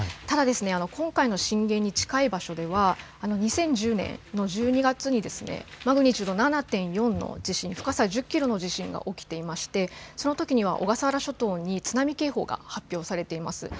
ただ、今回の震源に近い場所では、２０１０年の１２月に、マグニチュード７．４の地震、深さ１０キロの地震が起きていまして、そのときには小笠原諸島に津波警報が発表されています。